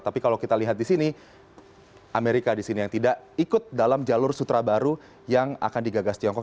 tapi kalau kita lihat di sini amerika di sini yang tidak ikut dalam jalur sutra baru yang akan digagas tiongkok